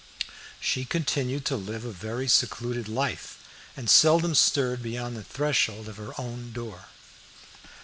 She continued to live a very secluded life, and seldom stirred beyond the threshold of her own door.